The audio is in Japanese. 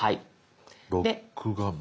「ロック画面」。